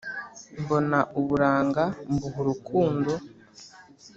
Mbona uburanga mbuha urukundo